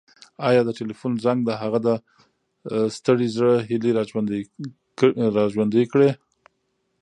ایا د تلیفون زنګ د هغه د ستړي زړه هیلې راژوندۍ کړې؟